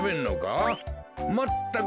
まったく！